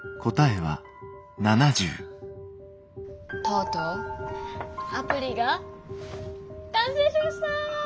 とうとうアプリが完成しました！